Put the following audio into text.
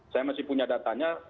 saya masih punya datanya